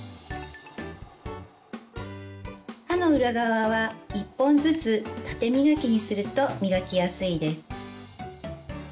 歯の裏側は１本ずつ縦磨きにすると磨きやすいです。